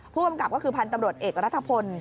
ผู้กำกับก็คือพันธุ์ตำรวจเอกรัฐพล